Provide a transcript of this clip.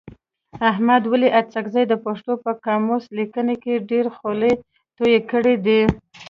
احمد ولي اڅکزي د پښتو په قاموس لیکنه کي ډېري خولې توی کړي دي.